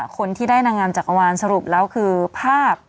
คนที่ได้นางงามจักรวาลสรุปแล้วคือภาพ